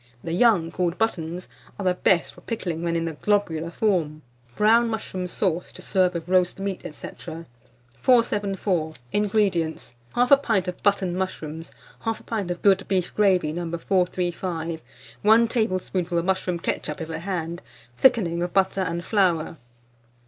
The young, called buttons, are the best for pickling when in the globular form. BROWN MUSHROOM SAUCE, to serve with Roast Meat, &c. 474. INGREDIENTS. 1/2 pint of button mushrooms, 1/2 pint of good beef gravy, No. 435, 1 tablespoonful of mushroom ketchup (if at hand), thickening of butter and flour.